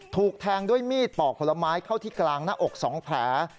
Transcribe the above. ถูกแทงด้วยมีดปอกผลไม้เข้าที่กลางหน้าอก๒แผล